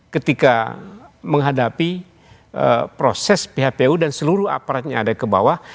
ketika menghadapi proses phpu dan seluruh aparatnya ada ke bawah